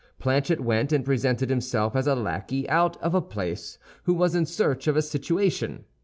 Planchet went and presented himself as a lackey out of a place, who was in search of a situation.